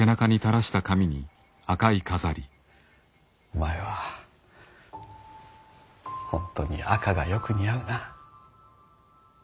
お前は本当に赤がよく似合うな。